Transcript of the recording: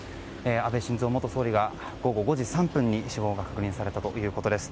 安倍晋三元総理大臣午後５時３分に死亡が確認されたということです。